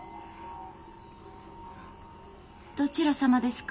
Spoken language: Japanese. どちら様ですか？